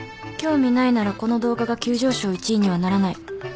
興味ないならこの動画が急上昇１位にはならない。